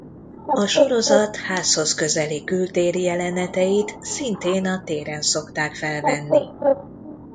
A sorozat házhoz közeli kültéri jeleneteit szintén a téren szokták felvenni.